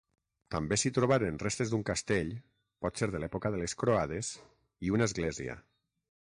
També s'hi trobaren restes d'un castell, potser de l'època de les Croades, i una església.